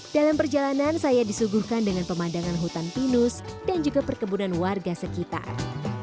dalam perjalanan saya disuguhkan dengan pemandangan hutan pinus dan juga perkebunan warga sekitar